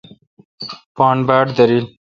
پان باڑ داریل۔